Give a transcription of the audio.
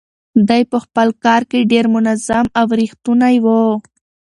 دی په خپل کار کې ډېر منظم او ریښتونی و.